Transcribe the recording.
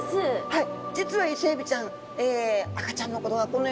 はい。